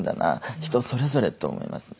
人それぞれと思いますね。